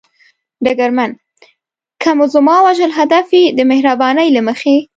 ډګرمن: که مو زما وژل هدف وي، د مهربانۍ له مخې.